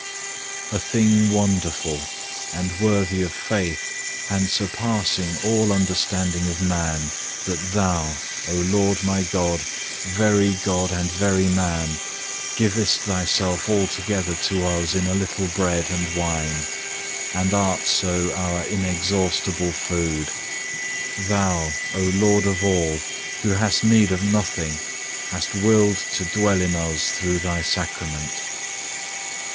5. A thing wonderful, and worthy of faith, and surpassing all the understanding of man, that Thou, O Lord my God, very God and very man, givest Thyself altogether to us in a little bread and wine, and art so our inexhaustible food. Thou, O Lord of all, who hast need of nothing, hast willed to dwell in us through Thy Sacrament.